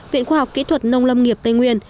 viện khoa học kỹ thuật nông lâm nghiệp tây nguyên